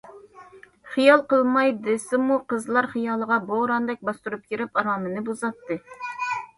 خىيال قىلماي دېسىمۇ قىزلار خىيالىغا بوراندەك باستۇرۇپ كىرىپ ئارامىنى بۇزاتتى.